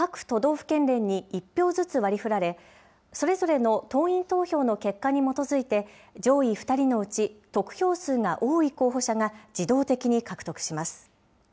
府県連に１票ずつ割りふられ、それぞれの党員投票の結果に基づいて、上位２人のうち、得票数が多い候補者が、自動的に獲得します。